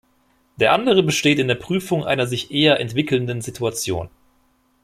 Der andere besteht in der Prüfung einer sich eher entwickelnden Situation.